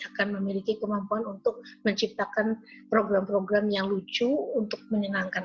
akan memiliki kemampuan untuk menciptakan program program yang lucu untuk menyenangkan